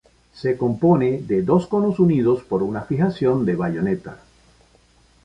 Se compone de dos conos unidos por una fijación de bayoneta.